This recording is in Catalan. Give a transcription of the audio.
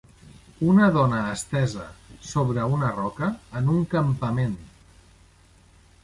Una dona estesa sobre una roca en un campament.